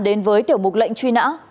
đến với tiểu mục lệnh truy nã